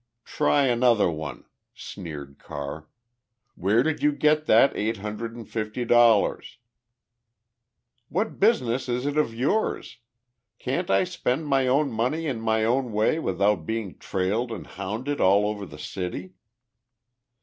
"Try another one," sneered Carr. "Where did you get that eight hundred and fifty dollars?" "What business is it of yours? Can't I spend my own money in my own way without being trailed and hounded all over the city?"